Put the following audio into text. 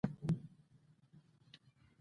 ایا زه باید چپس وخورم؟